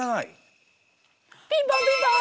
ピンポンピンポン！